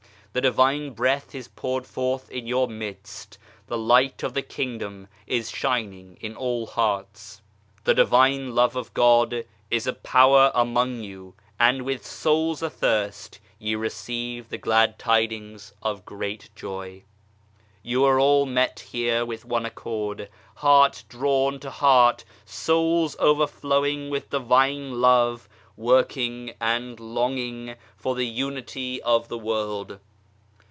The Divine Breath is poured forth in your midst, the Light of the Kingdom is shining in all hearts. The Divine Love of God is a power among you, and with souls athirst, ye receive the glad tidings of great joy. You are all met here with one accord, heart drawn to heart, souls overflowing with Divine Love, working and longing for the Unity of the world.